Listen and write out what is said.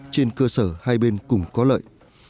trên cơ sở hai bên cùng có lợi